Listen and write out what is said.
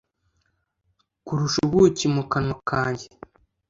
kurusha ubuki mu kanwa kanjye